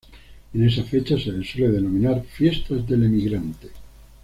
En esa fecha, se le suele denominar ""Fiesta del emigrante"".